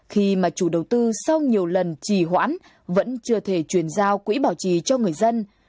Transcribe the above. khi mà chủ đầu tư sau nhiều lần trì hoãn vẫn chưa thể truyền giao quỹ bảo trì cho người dân